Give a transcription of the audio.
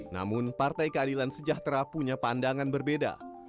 namun partai keadilan sejahtera punya pandangan berbeda